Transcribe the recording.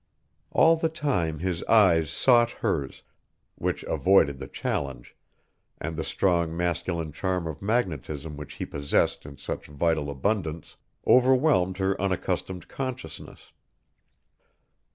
All the time his eyes sought hers, which avoided the challenge, and the strong masculine charm of magnetism which he possessed in such vital abundance overwhelmed her unaccustomed consciousness.